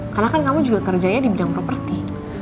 karena kan kamu juga kerjanya di bidang properti